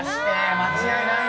間違いないね。